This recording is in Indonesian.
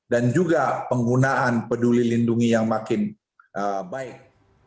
dan juga penggunaan peduli lindungi yang makin baik